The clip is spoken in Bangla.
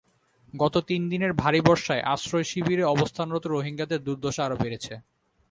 গত তিন দিনের ভারী বর্ষায় আশ্রয়শিবিরে অবস্থানরত রোহিঙ্গাদের দুর্দশা আরও বেড়েছে।